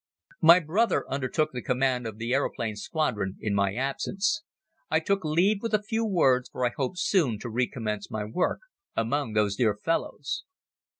My brother undertook the command of the aeroplane squadron in my absence. I took leave with a few words for I hoped soon to recommence my work among those dear fellows.